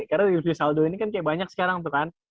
karena dirijen saldo ini kan kayak banyak sekarang tuh kan